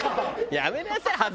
やめなさい！